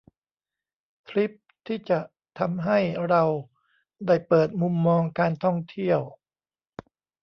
ทริปที่จะทำให้เราได้เปิดมุมมองการท่องเที่ยว